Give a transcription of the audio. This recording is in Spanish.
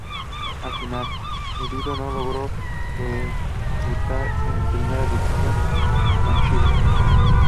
Al final, Gudiño no logró debutar en Primera División con Chivas.